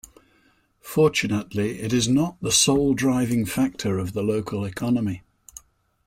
Fortunately its not the sole driving factor of the local economy.